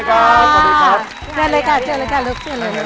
ก็เห็นก่อนเลยครับ